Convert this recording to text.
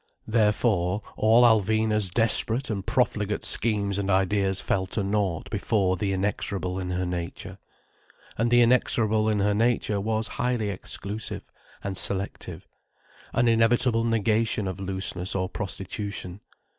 Therefore all Alvina's desperate and profligate schemes and ideas fell to nought before the inexorable in her nature. And the inexorable in her nature was highly exclusive and selective, an inevitable negation of looseness or prostitution.